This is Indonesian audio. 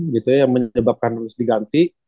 gitu ya yang menyebabkan harus diganti